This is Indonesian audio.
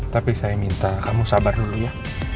tapi saya minta kamu sabar dulu ya